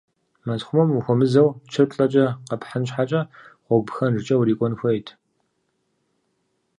Мэзхъумэм ухуэмызэу чыр плӀэкӀэ къэпхьын щхьэкӀэ гъуэгу пхэнжкӏэ урикӏуэн хуейт.